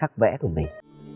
đất b dwriver hơn